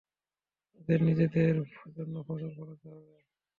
তাদের নিজেদের জন্য ফসল ফলাতে হবে।